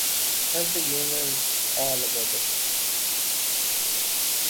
Thus the game is all about decisions.